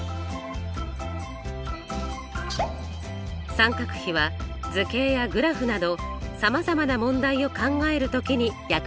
三角比は図形やグラフなどさまざまな問題を考える時に役立ちます。